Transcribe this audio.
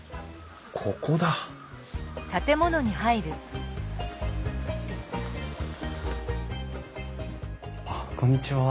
ここだこんにちは。